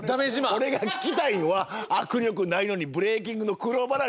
俺が聞きたいのは握力ないのにブレーキングの苦労話とか。